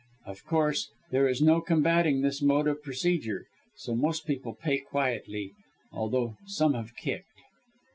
Of course, there is no combating this mode of procedure, so most people pay quietly, although some have kicked."